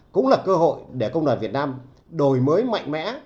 cũng là cơ hội để công đoàn việt nam đổi mới mạnh mẽ